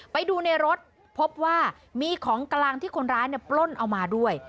ไปดูในรถพบว่ามีของกลางที่คนร้ายปล้นเอามาด้วย